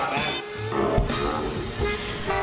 มา